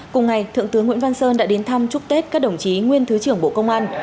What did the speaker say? cùng ngày thượng tướng nguyễn văn sơn đã đến thăm chúc tết các đồng chí nguyên thứ trưởng bộ công an